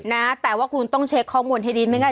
นะแต่ว่าคุณต้องเช็คข้อมูลให้ดีไม่ง่าย